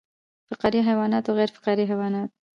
فقاریه حیوانات او غیر فقاریه حیوانات